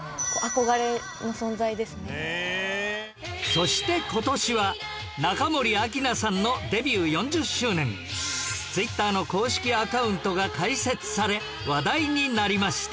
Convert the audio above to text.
そして今年は中森明菜さんのＴｗｉｔｔｅｒ の公式アカウントが開設され話題になりました